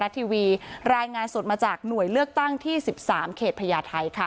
รายงานโรงงานสดมาจากหน่วยเลือกตั้งที่๑๓เขตประหยาไทย